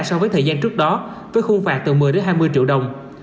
so với thời gian trước đó với khuôn phạt từ một mươi đến hai mươi triệu đồng